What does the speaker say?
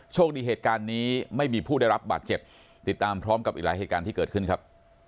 โชคดีเหตุการณ์นี้ไม่มีผู้ได้รับบาดเจ็บติดตามพร้อมกับอีกหลายเหตุการณ์ที่เกิดขึ้นครับ